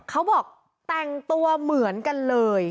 เขาบอกแต่งตัวเหมือนกันเลย